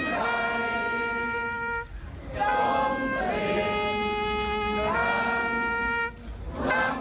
หลังจากมัน